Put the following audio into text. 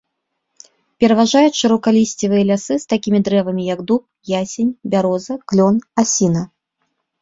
Пераважаюць шырокалісцевыя лясы з такімі дрэвамі, як дуб, ясень, бяроза, клён, асіна.